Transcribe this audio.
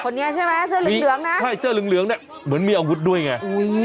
คนนี้ใช่ไหมเสื้อเหลืองนะใช่เสื้อเหลืองเหมือนมีอวุธด้วยไง